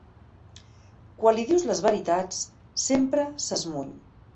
Quan li dius les veritats, sempre s'esmuny.